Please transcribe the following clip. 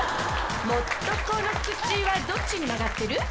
「もっとこの口はどっちに曲がってる？」